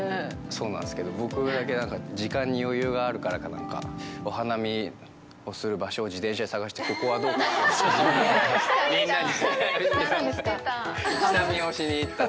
そうなんですけど、僕だけなんか、時間に余裕があるからかなんか、お花見する場所を自転車で探して、ここはどう？って、みんなに送った。